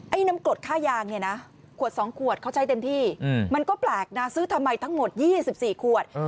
น้ำกรดค่ายางเนี่ยนะขวด๒ขวดเขาใช้เต็มที่มันก็แปลกนะซื้อทำไมทั้งหมด๒๔ขวด